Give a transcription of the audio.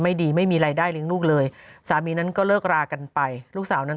ดีไม่มีรายได้เลี้ยงลูกเลยสามีนั้นก็เลิกรากันไปลูกสาวนั้น